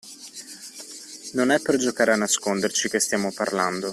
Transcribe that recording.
Non è per giocare a nasconderci che stiamo parlando!